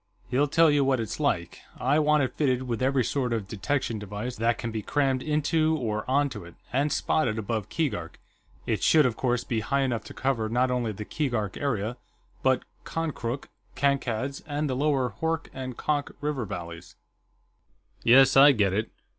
He'll tell you what it's like. I want it fitted with every sort of detection device that can be crammed into or onto it, and spotted above Keegark. It should, of course, be high enough to cover not only the Keegark area, but Konkrook, Kankad's, and the lower Hoork and Konk river valleys." "Yes, I get it."